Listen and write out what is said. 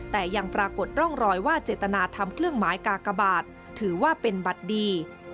แต่ยังปรากฏร่องรอยว่าเจตนาทำเครื่องหมายกากบาทถือว่าเป็นบัตรดี